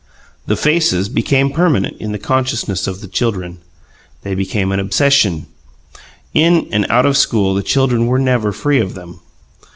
The faces became permanent in the consciousness of the children; they became an obsession in and out of school the children were never free of them.